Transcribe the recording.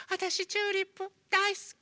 チューリップだいすき。